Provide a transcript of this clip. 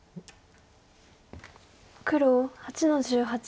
黒８の十八。